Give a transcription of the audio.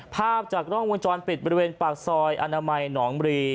ภาพจากกล้องวงจรปิดบริเวณปากซอยอนามัยหนองบรี